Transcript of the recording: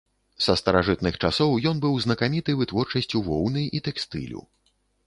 Са старажытных часоў ён быў знакаміты вытворчасцю воўны і тэкстылю.